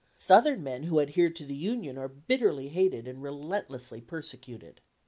Southern men who adhered to the Union are bitterly hated and relentlessly persecuted.